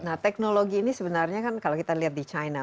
nah teknologi ini sebenarnya kan kalau kita lihat di china